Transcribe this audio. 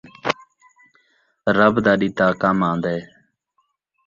رب دا ݙتا کم آن٘دے